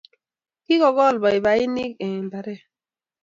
Kikikol paipainik eng' mbaret